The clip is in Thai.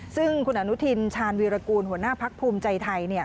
ซึ่งคุณอนุทินชาญวีรกูลหัวหน้าพักภูมิใจไทย